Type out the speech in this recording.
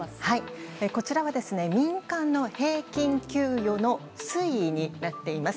こちらは民間の平均給与の推移になっています。